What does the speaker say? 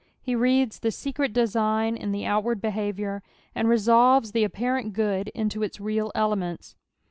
He reada the secret design in the outward behaviour, and resolves the apparent good into its real elements.